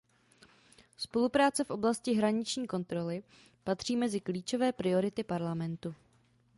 Spolupráce v oblasti hraniční kontroly patří mezi klíčové priority Parlamentu.